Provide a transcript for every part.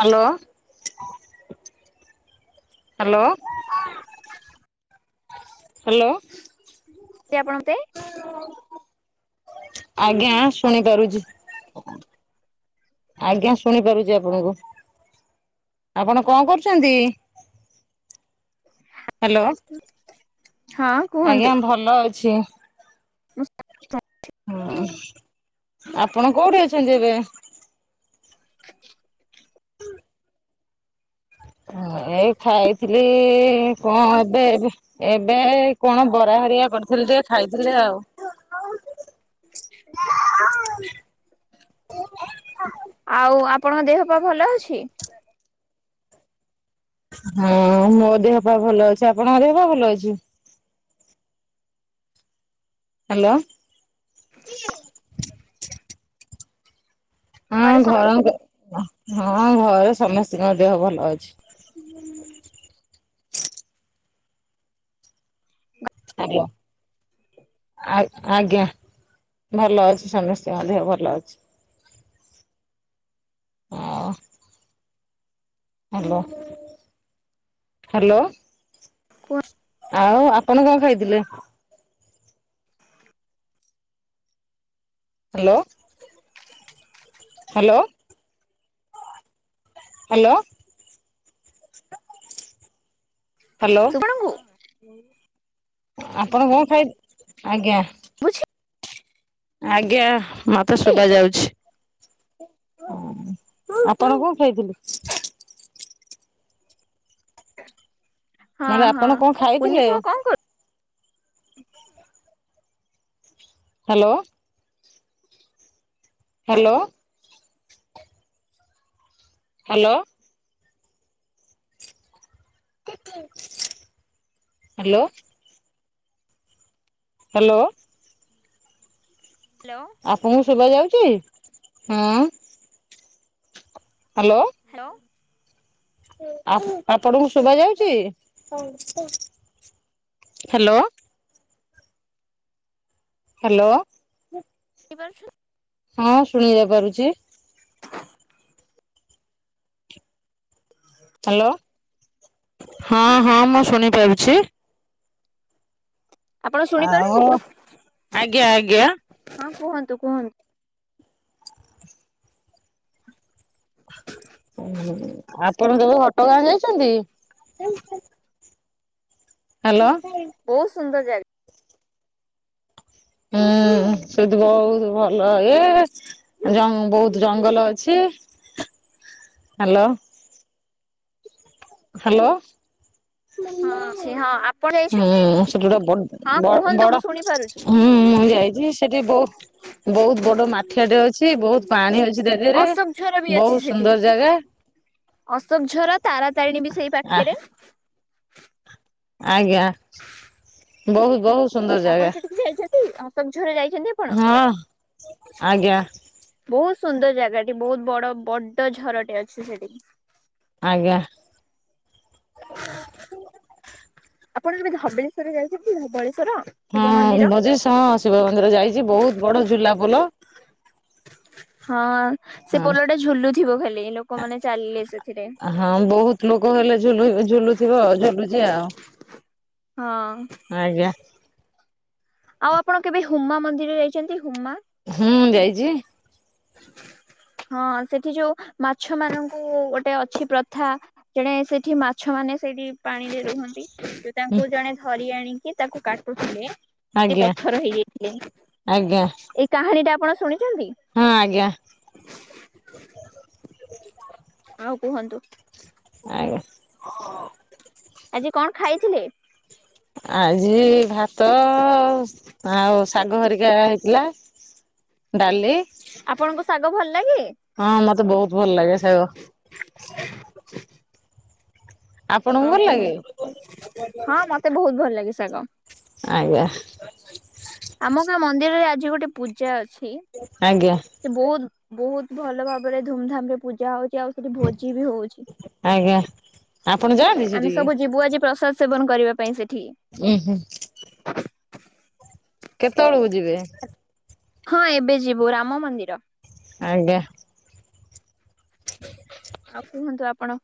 Hello. Hello hello. ସି ଆପଣ ପେ ଆଜ୍ଞା ଶୁଣି ପାରୁଛି ଆଜ୍ଞା ଶୁଣି ପାରୁଛି ଆପଣଙ୍କୁ ଆପଣ କଣ କରୁଛନ୍ତି? ହ୍ୟାଲୋ ହଁ କୁହନ୍ତୁ ଆଜ୍ଞା ଭଲ ଅଛି। [unintelligible] ହଁ ଆପଣ କୋଉଠି ଅଛନ୍ତି ଏବେ? [inaudible] ହଁ ଏଇ ଖାଇଥିଲି କଣ ଏବେ? ଏବେ କଣ ବରା ହେରିକା କରିଥିଲେ ଟିକେ ଖାଇଥିଲି ଆଉ [inaudible] ଆଉ ଆପଣଙ୍କ ଦେହ ପା ଭଲ ଅଛି? ହଁ ମୋ ଦେହ ପା ଭଲ ଅଛି ଆପଣଙ୍କ ଦେହ ପା ଭଲ ଅଛି? ହ୍ୟାଲୋ। ଘରେ ହଁ ସ ଘର ହଁ ଘରେ ସମସ୍ତିଙ୍କ ଦେହ ଭଲ ଅଛି। [inaudible] [inaudible] ହାଲୋ। ଆ ଆଜ୍ଞା ଭଲ ଅଛି ସମସ୍ତିଙ୍କ ଦେହ ଭଲ ଅଛି। [unintelligible] ହାଲୋ। ଆଉ ଆପଣ କଣ ଖାଇଥିଲେ? ହାଲୋ-ହାଲୋ। ହାଲୋ। ହାଲୋ। [inaudible] ଆପଣ କଣ ଖାଇ, ଆଜ୍ଞା। ବୁଝି ଆଜ୍ଞା, ମତେ ଶୁବାଯାଉଛି। ଆପଣ କଣ ଖାଇଥିଲେ? ମୁଁ ହଁ [unintelligible] ହଁ ଆପଣ କଣ କୁନି ଖାଇଥିଲେ? ପୁଅ କଣ କରୁ hello. Hello. Hello. Hello. Hello. Hello. ଆପଣଙ୍କୁ ଶୁବାଯାଉଚି? ହାଲୋ। ହାଲୋ। ଆ ଆପଣଙ୍କୁ ଶୁବାଯାଉଚି? ହାଲୋ। ହାଲୋ। [unintelligible] ହଁ [unintelligible] ପାରୁଚି। [inaudible] ହାଲୋ, ହଁ-ହଁ ମୁଁ ଶୁଣିପାରୁଛି। ଆପଣ ଶୁଣିପାରୁଛନ୍ତି ଆଉ, ଆଜ୍ଞା-ଆଜ୍ଞା। ହଁ କୁହନ୍ତୁ-କୁହନ୍ତୁ। ଆପଣ କେବେ ଘଟଗାଁ ଯାଇଚନ୍ତି? ହାଲୋ। ବହୁତ ସୁନ୍ଦର୍ ଜାଗା। ହୁଁ ସେଠି ବହୁତ୍ ଭଲ, ଏ ଜଙ୍ଗ ବହୁତ୍ ଜଙ୍ଗଲ ଅଛି, ହାଲୋ। ହାଲୋ। ହଁ ଅଛି ହଁ ଆପଣ ହୁଁ ଯାଇଛନ୍ତି? ସେଟି ଗୋଟେ ହଁ ବଡ୍ କୁହନ୍ତୁ ମୁଁ ବଡ଼ ଶୁଣି ପାରୁଛି ହୁଁ ମୁଁ ଯାଇଚି, ସେଠି ବହୁ ବହୁତ୍ ବଡ ମାଠିଆ ଟେ ଅ ଛି ବହୁତ୍ ପାଣି ଅଛି ତା ଧେରେ, ବହୁତ୍ ସୁନ୍ଦର୍ ଜାଗା। ଅଶୋକ୍ ଝର ତାରାତାରେଣୀ ବି ସେଇ ପାଖେରେ। ଆଜ୍ଞା, ବହୁତ୍-ବହୁତ୍ ଆପଣ ସେଠିକି ଯାଇଛନ୍ତି, ଅଶୋକ୍ ଝର ଯାଇଛନ୍ତି ଆପଣ? ହଁ ଆଜ୍ଞା। ବହୁତ୍ ସୁନ୍ଦର୍ ଜାଗାଟି, ବହୁତ୍ ବଡ-ବଡ ଝରଟେ ଅଛି ସେଠି। ଆଜ୍ଞା। ଆପଣ ଯେବେ ଧବଳେଶ୍ୱର ଯାଇଚନ୍ତି ଧବଳେଶ୍ୱର? ହଁ ମଜି ହଁ ଶିବ ମନ୍ଦିର ଯାଇଚି ବହୁତ ବଡ ଝୁଲା ପୋଲ। ହଁ। ସେ ହଁ ପୋଲ ଟା ଝୁଲୁଥିବ ଖାଲି ଲୋକମାନେ ଚାଲିଲେ ସେଥିରେ। ହଁ ବହୁତ ଲୋକ ହେଲେ ଝୁଲୁ ଝୁଲୁଥିବଉ ଝୁଲୁଚି ଆଉ। ହଁ। ଆଜ୍ଞା। ଆଉ ଆପଣ କେବେ ହୁମା ମନ୍ଦିରରେ ଯାଇଚନ୍ତି ହୁମା? ହୁଁ ଯାଇଚି। ହଁ ସେଠି ଯୋଉ ମାଛ ମାନଙ୍କୁ ଗୋଟେ ଅଛି ପ୍ରଥା ଜଣେ ସେଇଠି ମାଛ ମାନେ ସେଇଠି ପାଣିରେ ରୁହନ୍ତି। ତ ହୁଁ ତାଙ୍କୁ ଜଣେ ଧରି ଆଣିକି ତାକୁ କାଟୁଥିଲେ ସେ ଆଜ୍ଞା ପଥର ହେଇଯାଇଥିଲେ। ଆଜ୍ଞା ଏଇ କାହାଣୀ ଟା ଆପଣ ଶୁଣିଚନ୍ତି? ହଁ ଆଜ୍ଞା। ଆଉ କୁହନ୍ତୁ। ଆଜ୍ଞା। ଆଜି କଣ ଖାଇଥିଲେ? ଆଜି ଭାତ ଆଉ ଶାଗ ହରିକା ହେଇଥିଲା। ଡାଲି ଆପଣଙ୍କୁ ଶାଗ ଭଲ ଲାଗେ? ହଁ ମତେ ବହୁତ ଭଲ ଲାଗେ ଶାଗ। ଆପଣଙ୍କୁ ଆଉ ଭଲ ଲାଗେ କୁହନ୍ତୁ ହଁ ମତେ ବହୁତ ଭଲ ଲାଗେ ଶାଗ। ଆଜ୍ଞା। ଆମ ଗାଁ ମନ୍ଦିରରେ ଆଜି ଗୋଟେ ପୂଜା ଅଛି। ଆଜ୍ଞା। ସେ ବହୁତ ବହୁତ ଭଲ ଭାବରେ ଧୁମଧାମ ରେ ପୂଜା ହଉଚି। ଆଉ ସେଠି ଭୋଜି ବି ହଉଚି। ଆଜ୍ଞା। ଆପଣ ଯାଆନ୍ତି ଆମେ ସେଠିକି ସବୁ ଯିବୁ ଆଜି ପ୍ରସାଦ ସେବନ କରିବା ପାଇଁ ସେଠିକି। ଉଁ ହୁଁ। କେତେବେଳକୁ ଯିବେ? ହଁ ଏବେ ଯିବୁ ରାମ ମନ୍ଦିର। ଆଜ୍ଞା। ହ ଆଉ କୁହନ୍ତୁ ଆପଣ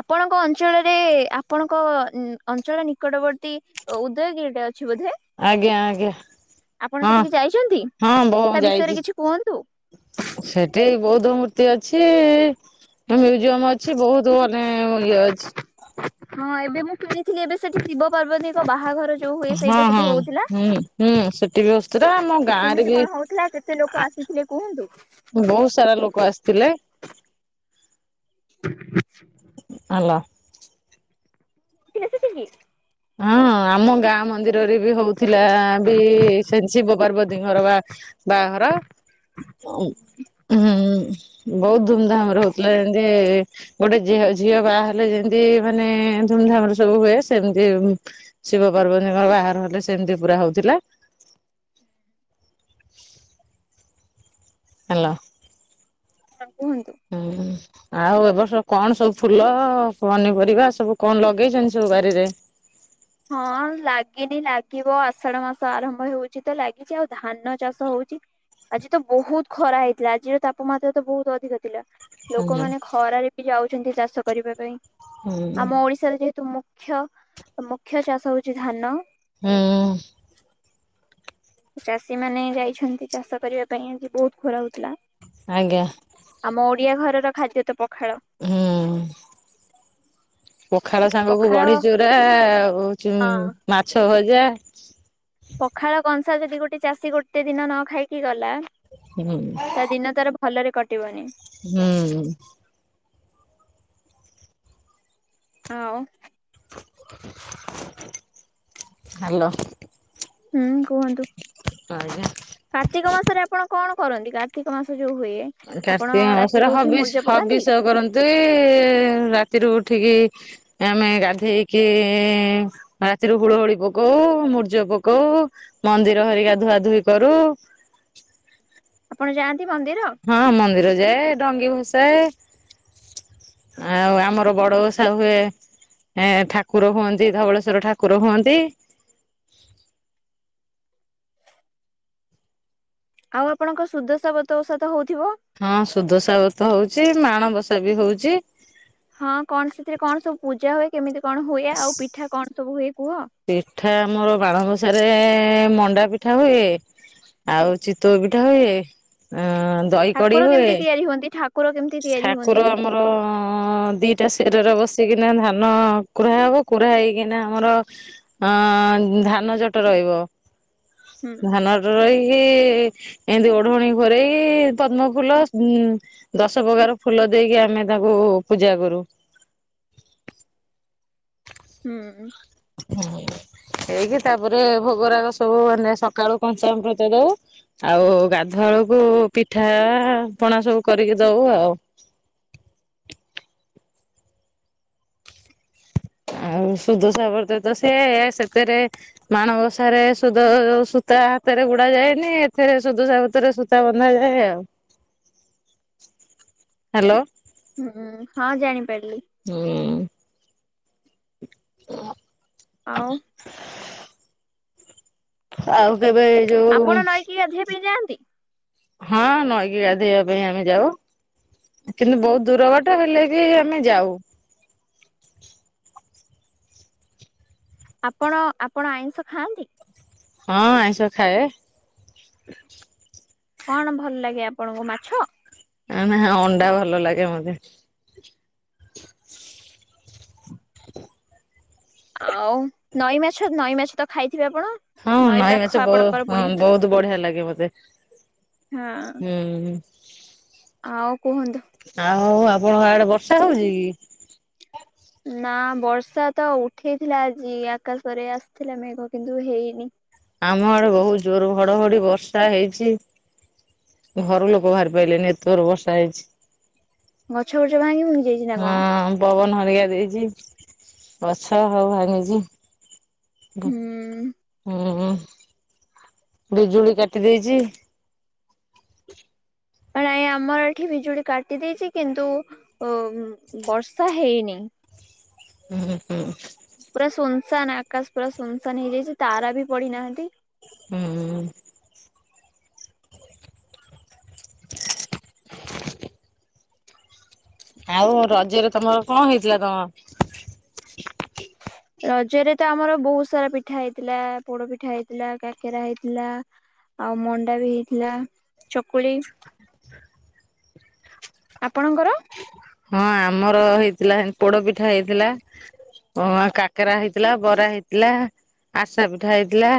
ଆପଣଙ୍କ ଅଞ୍ଚଳରେ ଆପଣଙ୍କ ଅଞ୍ଚଳ ନିକଟବର୍ତ୍ତୀ ଓ ଉଦୟଗିରିଟା ଅଛି ବୋଧେ? ଆଜ୍ଞା ଆଜ୍ଞା ଆପଣ ହଁ। ସେଠିକି ଯାଇଚନ୍ତି ହଁ ବୋ ତା ଯାଇଛି ବିଷୟରେ କିଛି କୁହନ୍ତୁ। ସେଠି ବୌଦ୍ଧ ମୂର୍ତ୍ତି ଅଛି। ଏ ମ୍ୟୁଜିୟମ ଅଛି ବହୁତ ମାନେ ଇଏ ଅଛି। ହଁ ଏବେ ମୁଁ ଶୁଣିଥିଲି ଏବେ ସେଠି ଶିବ ପାର୍ବତୀଙ୍କ ବାହାଘର ଯୋଉ ହୁଏ ହଁ ସେଇଟା ସେଠି ହଁ ହଉଥିଲା। ହୁଁ ହୁଁ ସେଠି ବି ବସ୍ତୁରା ଆମ ଗାଁ ରେ କେମିତି ବି କଣ ହଉଥିଲା କେ ତେ ଲୋକ ଆସିଥିଲେ କୁହନ୍ତୁ? ବହୁତ ସାରା ଲୋକ ଆସିଥିଲେ। ଆଲୋ। କିଏ ସେଠିକି ହଁ ଆମ ଗାଁ ମନ୍ଦିରରେ ବି ହଉଥିଲା ବି ଫେଣି ଶିବ ପାର୍ବତୀଙ୍କର ପା ବାହାଘର ଉଁ। ହୁଁ ବହୁତ ଧୁମଧାମରେ ହୋଉଥିଲା ଯେମତି ଗୋଟେ ଝିଅ ଝିଅ ବାହାହେଲେ ଯେମତି ମାନେ ଧୁମଧାମରେ ସବୁ ହୁଏ ସେମ୍ ଯେ ଶିବ ପାର୍ବତୀଙ୍କର ବାହାଘର ହେଲେ ସେମିତି ପୁରା ହଉଥିଲା। ହ୍ୟାଲୋ। ଆ କୁହନ୍ତୁ। ଉଁଉ। ଆଉ ଏବର୍ଷ କଣ ସବୁ ଫୁଲ ପନିପରିବା ସବୁ କଣ ଲଗେଇଛନ୍ତି ସବୁ ବାରିରେ? ହଁ ଲାଗିନି ଲାଗିବ ଆଷାଢ ମାସ ଆରମ୍ଭ ହେଉଛି ତ ଲାଗିଛି ଆଉ ଧାନ ଚାଷ ହଉଛି ଆଜି ତ ବହୁତ ଖରା ହେଇଥିଲା ଆଜିର ତାପମାତ୍ରା ତ ବହୁତ ଅଧିକ ଥିଲା ହୁଁ ଲୋକମାନେ ଖରାରେ ବି ଯାଉଛନ୍ତି ଚାଷ କରିବା ପାଇଁ ହୁଁ ଆମ ଓଡିଶ୍ ସେରା ଯେହେତୁ ମୁଖ୍ୟ ମୁଖ୍ୟ ଚାଷ ହଉଛି ଧାନ। ହୁଁ। ଚାଷୀ ମାନେ ଯାଇଛନ୍ତି ଚାଷ କରିବା ପାଇଁ ଆଜି ବହୁତ ଖରା ହଉଥିଲା। ଆଜ୍ଞା। ଆମ ଓଡିଆ ଘରର ଖାଦ୍ୟ ତ ପଖାଳ। ହୁଁ। ପଖାଳ ସାଙ୍ଗକୁ ପଖାଳ ବଢି ହଁ ଚୁରା ଆଉ ମାଛ ଭଜା ପଖାଳ କଂସା ଯଦି ଗୋଟେ ଚାଷୀ ଗୋଟେ ଦିନ ନ ଖାଇକି ଗଲା ହୁଁ। ତା ଦିନ ତାର ଭଲରେ କଟିବନି। ହୁଁ। ଆଉ? ହ୍ୟାଲୋ। ହୁଁ କୁହନ୍ତୁ। ଆଜ୍ଞା। କାର୍ତ୍ତିକ ମାସରେ ଆପଣ କଣ କରନ୍ତି କାର୍ତ୍ତିକ ମାସ ଯୋଉ ହୁଏ? ଆପଣ କାର୍ତ୍ତିକ ରାତିରୁ ମାସରେ ଉଠି ମୁର୍ଜ ହବିଷ ପକାନ୍ତି? ହବିଷ କରନ୍ତି ରାତିରୁ ଉଠିକି ଆମେ ଗାଧେଇକି ରାତିରୁ ହୁଳହୁଳି ପକଉ ମୂର୍ଜ ପକଉ ମନ୍ଦିର ହେରିକା ଧୁଆ ଧୁଇ କରୁ। ଆପଣ ଯାଆନ୍ତି ମନ୍ଦିର? ହଁ ମନ୍ଦିର ଯାଏ ଡଙ୍ଗି ଭସାଏ। ଆଉ ଆମର ବଡ ଉଷା ହୁଏ। ହେଁ ଠାକୁର ହୁଅନ୍ତି ଧବଳେସ୍ୱର ଠାକୁର ହୁଅନ୍ତି। ଆଉ ଆପଣଙ୍କ ସୁଦଶାବତ ଓଷା ତ ହଉଥିବ? ହଁ ସୁଦସାବ୍ରତ ହୋଉଛି ମାଣବସା ବି ହଉଛି। ହଁ କଣ ସେଥିରେ କଣ ସବୁ ପୂଜା ହୁଏ କେମିତି କଣ ହୁଏ ଆଉ ପିଠା କଣ ସବୁ ହୁଏ କୁହ? ପିଠା ଆମର ବାଣବସାରେ ମଣ୍ଡା ପିଠା ହୁଏ। ଆଉ ଚିତୋଉ ପିଠା ହୁଏ। ଦହି କଡି ଠାକୁର ହୁଏ କେମତି ତିଆରି ହୁଅନ୍ତି ଠାକୁର କେମିତି ତିଆରି ଠାକୁର ହୁଅନ୍ତି ଆମର ହଁ ଦିଟା ଶିରରେ ବସିକିନା ଧାନ କୁୁରା ହବ କୁୁରା ହେଇକିନା ଆମର ଅଁ ଧାନ ଜଟ ରହିବ ହୁଁ ଧାନ ରହିକି ଏମିତି ଓଢଣୀ ଘୋରେଇ ପଦ୍ମଫୁଲ ଉ ଦଶ ପ୍ରକାର ଫୁଲ ଦେଇକି ଆମେ ତାକୁ ପୂଜା କରୁ। ହୁଁ। ହେଇକି ତାପରେ ଭୋଗରାଗ ସବୁ ମାନେ ସକାଳୁ ପଞ୍ଚାମୃତ ଦଉ। ଆଉ ଗାଧୁଆଳକୁ ପିଠା ପଣା ସବୁ କରିକି ଦଉ ଆଉ। ଆଉ ସୁଦଶାବ୍ରତ ତ ସେ ସେଥିରେ ମାଣବସାରେ ସୁଦ ସୂତା ହାତରେ ଗୁଡା ଯାଏନି ଏଥିରେ ସୁଦସା ବ୍ରତରେ ତା ବନ୍ଧାଯାଏ ଆଉ ହେଲୋ ହୁଁ ହଁ ଜାଣିପାରିଲି। ହୁଁ। ଆଉ। ଆଉ କେବେ ଯୋଉ ଆପଣ ନଈକି ଗାଧେଇବା ପାଇଁ ଯାଆନ୍ତି? ହଁ ନଈକି ଗାଧୋଇବା ପାଇଁ ଆମେ ଯାଉ। କିନ୍ତୁ ବହୁତ ଦୂର ବାଟ ହେଲେ ବି ଆମେ ଯାଉ। ଆପଣ ଆପଣ ଆଇଁଷ ଖାଆନ୍ତି? ହଁ ଆଇଁଷ ଖାଏ। କଣ ଭଲ ଲାଗେ ଆପଣଙ୍କୁ ମାଛ? ନା ଅଣ୍ଡା ଭଲ ଲାଗେ ମତେ। [inaudible] ଆଉ ନଈ ମାଛ ନଈ ମାଛ ତ ଖାଇଥିବେ ଆପଣ? ହଁ ନଈ ପାଖ ମାଛ ବ ଆପଣଙ୍କର ପୁଣି ବହୁତ ବଢିଆ ଲାଗେ ମତେ। ହଁ ହୁଁ। ଆଉ କୁହନ୍ତୁ? ଆଉ ଆପଣଙ୍କ ଆଡେ ବର୍ଷା ହଉଛି କି? ନା ବର୍ଷା ତ ଉଠେଇଥିଲା ଆଜି ଆକାଶରେ ଆସିଥିଲା ମେଘ କିନ୍ତୁ ହେଇନି। ଆମ ଆଡେ ବହୁତ ଜୋର ଘଡ ଘଡି ବର୍ଷା ହେଇଛି। ଘର ଲୋକ ବାହାରି ପାଇଲେନ ଏତେ ଜୋର୍ ବର୍ଷା ହେଇଛି। ଗଛ ଫଛ ଭାଙ୍ଗି ମୁୁଙ୍ଗି ଯାଇଛି ନା କଣ? ହଁ ପବନ ହରିକ ଦେଇଛି ଗଛ ହଉ ଭାଙ୍ଗିଛି। ହୁଁ ହୁଁ ବିଜୁଳି କାଟି ଦେଇଛି। ନାଇ ଆମର ଏଠି ବିଜୁଳି କାଟି ଦେଇଛି କିନ୍ତୁ ବର୍ଷା ହେଇନି। ହୁଁ ହୁଁ ପୁରା ସୁନସାନ ଆକାଶ ପୁରା ସୁନସାନ ହେଇଯାଇଛି ତାରା ବି ପଡିନାହାନ୍ତି ହୁଁ [inaudible] ଆଉ ରଜରେ ତମର କଣ ହେଇଥିଲା ତମର? ରଜରେ ତ ଆମର ବହୁତ ସାରା ପିଠା ହେଇଥିଲା, ପୋଡ ପିଠା ହେଇଥିଲା, କାକେରା ହେଇଥିଲା, ଆଉ ମଣ୍ଡା ବି ହେଇଥିଲା, ଚକୁଳି। ଆପଣଙ୍କର? ହଁ ଆମର ହେଇଥିଲା ପୋଡ ପିଠା ହେଇଥିଲା। ହ କାକେରା ହେଇଥିଲା ବରା ହେଇଥିଲା ଆରିସା ପିଠା ହେଇଥିଲା।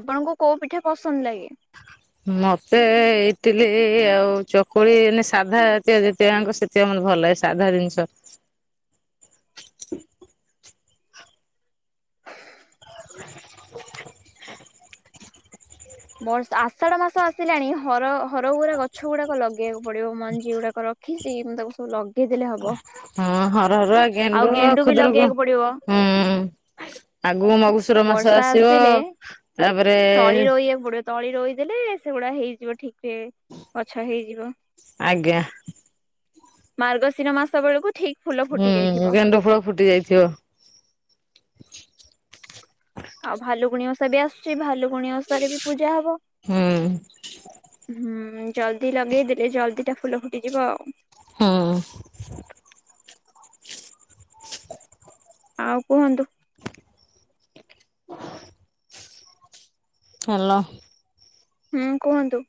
ଆପଣଙ୍କୁ କୋଉ ପିଠା ପସନ୍ଦ ଲାଗେ? ମତେ ଇଟିଲି ଆଉ ଚକୁଳି ଏମିତି ସାଧା ତିଆଆଙ୍କ ସେ ସେତିକି ମୋତେ ଭଲ ଲାଗେ ସାଧା ଜିନିଷ। ବର୍ଷ ଆଷାଢ ମାସ ଆସିଲାଣି ହର ହରଉରେ ଗଛ ଗଛ ଗୁଡାକ ଲଗେଇବାକୁ ପଡିବ ମଞ୍ଜି ଗୁଡାକ ରଖିଛି ମୁ ତାକୁ ସବୁ ଲଗେଇଦେଲେ ହବ। ହଁ ହର ହରୁ ଆ ଗେଣ୍ଡୁ ଆଉ ବି ଖୁଦରୁକୁ ଲଗେଇବାକୁ ପଡିବ ହଁ ଆଗୁ ମଗୁସୁର ମାସ ବର୍ଷା ଆସିବ ଆସିଲେ ତାପରେ ଗୋଟେ ତଳି ରହିଦେଲେ ସେଗୁଡା ହେଇଯିବ ଠିକ ଗଛ ହେଇଯିବ ଆଜ୍ଞା ମାର୍ଗଶିର ମାସ ବେଳକୁ ଠିକ ଫୁଲ ଫୁଟି ଯାଇଥିବ ହୁଁ ଗେଣ୍ଡ ଫୁଳ ଫୁଟି ଯାଇଥିବ। ଆଉ ଭାଲୁଗୁଣୀ ଓଷା ବି ଆସୁଛି ଭାଲୁଗୁଣିୀ ଓଷାରେ ବି ପୂଜା ହବ। ହୁଁ ହୁଁ ଜଲ୍ଦି ଲଗେଇଦେଲେ ଜଲ୍ଦି ଟା ଫୁଲ ଫୁଟିଯିବ ଆଉ। ହଁ ଆଉ କୁହନ୍ତୁ? ହଲୋ ହୁଁ କୁହନ୍ତୁ।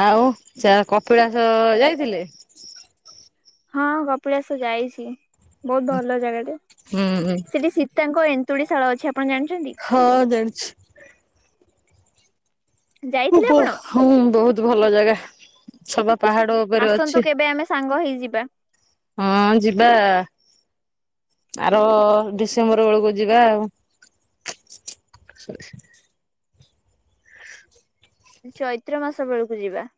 ଆଉ ଚା କପିଳାସ ଯାଇଥିଲେ? ହଁ କପିଳାସ ଯାଇଛି ବହୁତ ଭଲ ଜାଗାଟେ ହୁଁ ସେଠି ସୀତାଙ୍କ ଏ ନ୍ତୁଡ଼ିଶାଳ ଅଛି ଆପଣ ଜାଣିଛନ୍ତି? ହଁ ଜାଣିଛି। ଯାଇଥିଲେ ଆପଣ? ହଁ ବହୁତ ଭଲ ଜାଗା ସବା ପାହାଡ ଉପରେ ଅଛି ଆସନ୍ତୁ କେବେ ଆମେ ସାଙ୍ଗ ହେଇଯିବା। ହଁ ଯିବା ଆର ଡିସେମ୍ବର ବେଳକୁ ଯିବା ଆଉ। ଚୈତ୍ର ମାସ ବେଳକୁ ଯିବା।